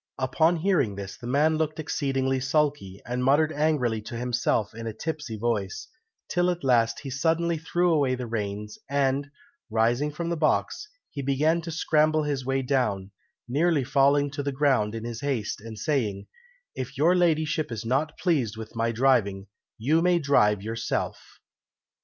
Upon hearing this, the man looked exceedingly sulky, and muttered angrily to himself in a tipsy voice, till at last he suddenly threw away the reins, and, rising from the box, he began to scramble his way down, nearly falling to the ground in his haste, and saying, "if your ladyship is not pleased with my driving, you may drive yourself!"